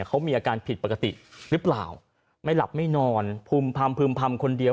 เขามีอาการผิดปกติหรือเปล่าไม่หลับไม่นอนพึ่มพำพึ่มพำคนเดียว